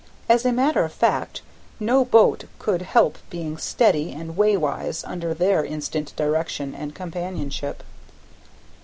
As a matter of fact no boat could help being steady and way wise under their instant direction and companionship.